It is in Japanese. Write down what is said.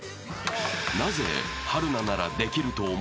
［なぜ春菜ならできると思ったのか？］